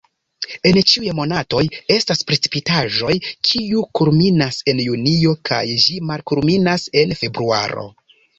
En ĉiuj monatoj estas precipitaĵoj, kiu kulminas en junio kaj ĝi malkulminas en februaro.